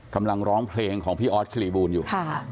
กำลังร้องเพลงของพี่ออสคลิบูลอยู่